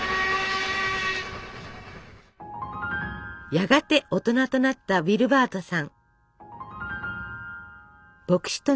やがて大人となったウィルバートさん。